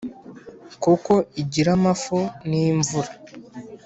Kuko igira amafu n'imvura